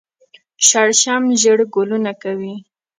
شړشم ژیړ ګلونه کوي